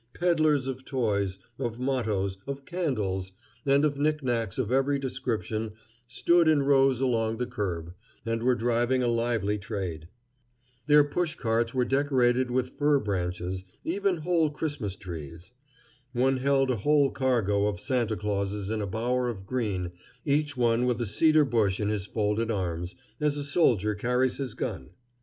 Peddlers of toys, of mottos, of candles, and of knickknacks of every description stood in rows along the curb, and were driving a lively trade. Their push carts were decorated with fir branches even whole Christmas trees. One held a whole cargo of Santa Clauses in a bower of green, each one with a cedar bush in his folded arms, as a soldier carries his gun.